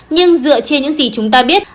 nhưng dựa trên những gì chúng ta biết